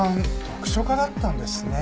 読書家だったんですね。